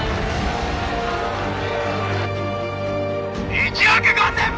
１億５，０００万